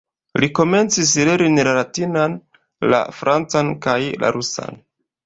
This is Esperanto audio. Li komencis lerni la latinan, la francan kaj la rusan.